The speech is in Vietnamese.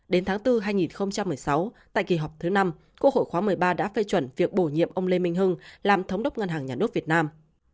đến tháng bốn hai nghìn một mươi sáu tại kỳ họp thứ năm quốc hội khóa một mươi ba đã phê chuẩn việc bổ nhiệm ông lê minh hưng làm thống đốc ngân hàng nhà nước việt nam